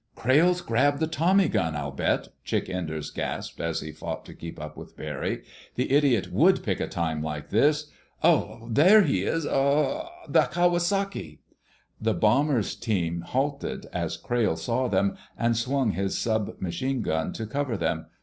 "Crayle's grabbed the tommy gun, I'll bet," Chick Enders gasped as he fought to keep up with Barry. "The idiot would pick a time like this. Oh oh! There he is—in the—uh—Kawasaki!" The bomber's team halted as Crayle saw them and swung his sub machine gun to cover them.